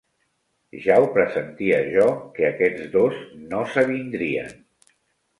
Ja ho pressentia jo, que aquests dos no s'avindrien!